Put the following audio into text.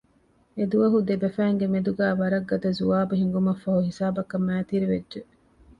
އެދުވަހު ދެބަފައިންގެ މެދުގައި ވަރަށް ގަދަ ޒުވާބު ހިނގުމަށްފަހު ހިސާބަކަށް މައިތިރިވެއްޖެ